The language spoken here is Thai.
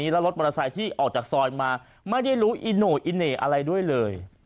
แล้วรถมอเตอร์ไซค์ที่ออกจากซอยมาไม่ได้รู้อีโน่อีเหน่อะไรด้วยเลย